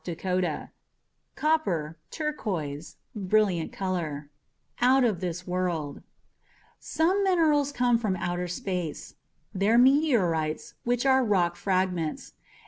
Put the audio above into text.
Dakota), copper, turquoise (brilliant color) Out Of This World Some minerals come from outer space. They're meteorites, which are rock fragments.